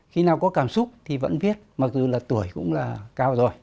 khi nào có cảm xúc thì vẫn viết mặc dù là tuổi cũng là cao rồi